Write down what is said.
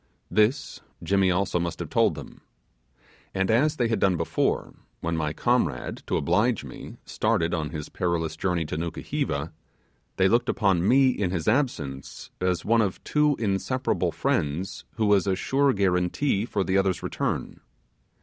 This, Jimmy also must have told them. And as they had done before, when my comrade, to oblige me, started on his perilous journey to Nukuheva, they looked upon me, in his absence, as one of two inseparable friends who was a sure guaranty for the other's return.